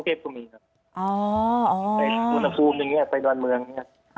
อุณหภูมิอย่างเงี้ยประดับด่วนเมืองเนี่ย